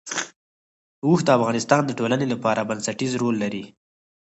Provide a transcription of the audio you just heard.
اوښ د افغانستان د ټولنې لپاره بنسټيز رول لري.